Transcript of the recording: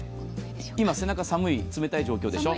今、背中、寒い、冷たい状況でしょう。